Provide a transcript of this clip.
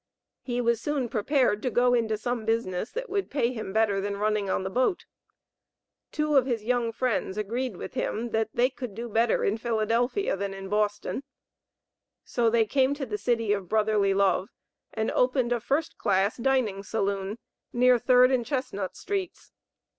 He was soon prepared to go into some business that would pay him better than running on the boat. Two of his young friends agreed with him that they could do better in Philadelphia than in Boston, so they came to the City of Brotherly Love and opened a first class dining saloon near Third and Chestnut streets.